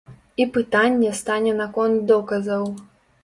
І пытанне стане наконт доказаў.